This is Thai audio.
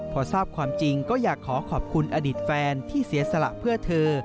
พอทราบความจริงก็อยากขอขอบคุณอดีตแฟนที่เสียสละเพื่อเธอ